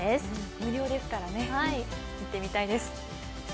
無料ですからね、行ってみたいです。